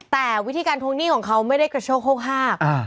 แต่วิธีการทวงหนี้ของเขาไม่ได้กระโชคโฮก